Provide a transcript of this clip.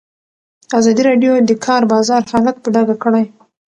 ازادي راډیو د د کار بازار حالت په ډاګه کړی.